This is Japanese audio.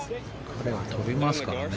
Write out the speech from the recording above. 彼は飛びますからね。